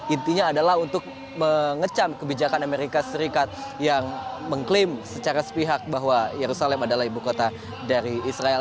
intinya adalah untuk mengecam kebijakan amerika serikat yang mengklaim secara sepihak bahwa yerusalem adalah ibu kota dari israel